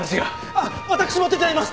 あっ私も手伝います。